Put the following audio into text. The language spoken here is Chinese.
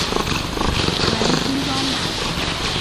含新装版。